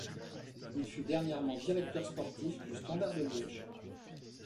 Il fut dernièrement directeur sportif du Standard de Liège.